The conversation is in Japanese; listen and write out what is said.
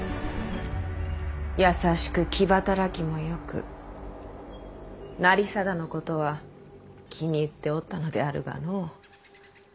優しく気働きもよく成貞のことは気に入っておったのであるがの。